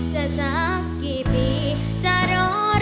จะสักกี่ปีจะรอรอไป